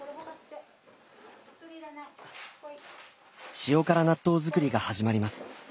塩辛納豆造りが始まります。